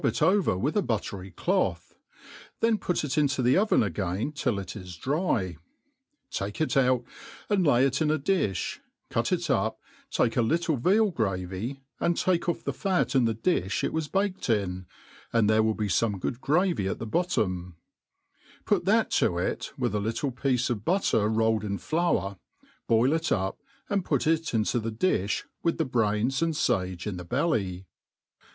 i it over with a battery cloth ; then put it into the oven again till it is dry ; take it put, and lay it in a difli : cut it up, take a little veal gravy, and talce off the hi in the diih it was baked in, and there will be fome good gravy at the bottom; put that to it, with a little piece of butter rolled in flour $ boil it np, and put it into the difli, with the brains and fage in the belJy.